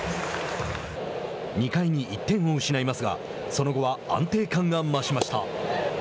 ２回に１点を失いますがその後は安定感が増しました。